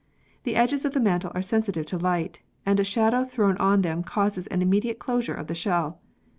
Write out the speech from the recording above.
The edges of the mantle are sensitive to light, and a shadow thrown on to them causes an immediate closure of the shell.